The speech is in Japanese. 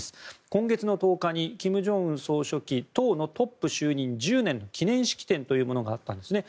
今月１０日金正恩総書記党のトップ就任１０年の記念式典というものがあったんですね。